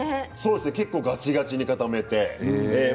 結構がちがちに固めて。